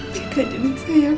selamat enam tahun ya nak